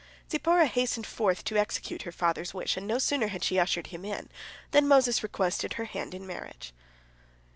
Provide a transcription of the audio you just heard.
Zipporah hastened forth to execute her father's wish, and no sooner had she ushered him in than Moses requested her hand in marriage.